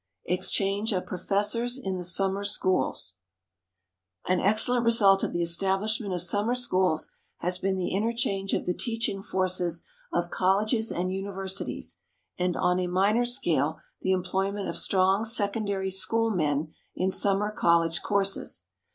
EXCHANGE OF PROFESSORS IN THE SUMMER SCHOOLS. An excellent result of the establishment of summer schools has been the interchange of the teaching forces of colleges and universities; and on a minor scale the employment of strong secondary school men in summer college courses.